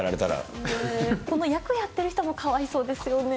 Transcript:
この役やってる人もかわいそうですよね。